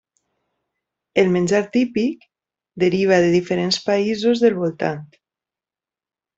El menjar típic deriva de diferents països del voltant.